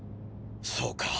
そうか。